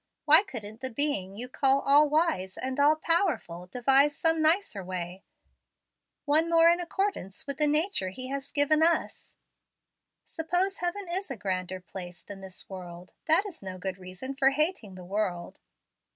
Why couldn't the Being you call all wise and all powerful, devise some nicer way, one more in accordance with the nature He has given us? Suppose heaven is a grander place than this world, that is no good reason for hating the world.